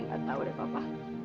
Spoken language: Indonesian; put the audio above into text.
aku gak tau deh papa